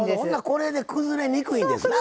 これで崩れにくいんですな。